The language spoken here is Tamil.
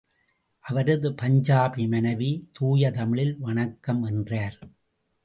அவரது பஞ்சாபி மனைவி தூய தமிழில் வணக்கம் என்றார்.